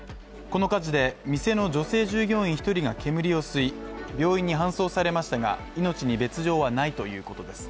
この火事で店の女性従業員１人が煙を吸い、病院に搬送されましたが、命に別状はないということです。